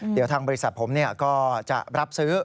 เดี๋ยวทางบริษัทผมก็จะรับซื้อ